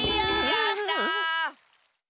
やった！